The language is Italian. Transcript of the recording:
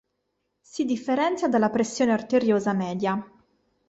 Si differenzia dalla pressione arteriosa media.